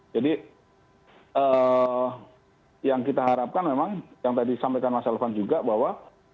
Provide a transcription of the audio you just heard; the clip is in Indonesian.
jadi yang kita harapkan memang yang tadi sampaikan mas elvan juga bahwa